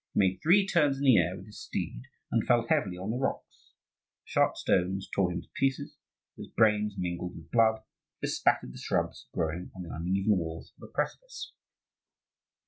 He made three turns in the air with his steed, and fell heavily on the rocks. The sharp stones tore him in pieces; and his brains, mingled with blood, bespattered the shrubs growing on the uneven walls of the precipice.